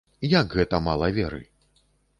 Як гэта мала веры?